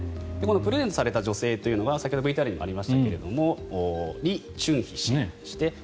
プレゼントされた女性というのが先ほど、ＶＴＲにもありましたがリ・チュンヒ氏。